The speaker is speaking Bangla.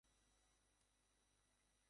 একটা কথা কইলে টান দিয়া মাথা আলগা করুম।